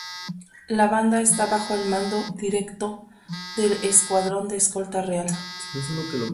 La banda está bajo el mando directo de Escuadrón de Escolta Real.